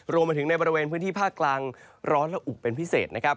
รวมไปถึงในบริเวณพื้นที่ภาคกลางร้อนและอุบเป็นพิเศษนะครับ